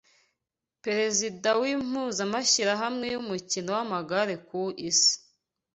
Perezida w’impuzamashyirahamwe y’umukino w’amagare ku isi